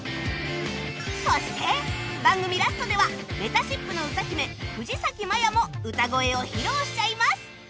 そして番組ラストではめたしっぷの歌姫藤咲まやも歌声を披露しちゃいます